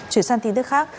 chuyển sang tin tức khác